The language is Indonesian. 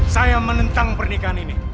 saya menentang pernikahan ini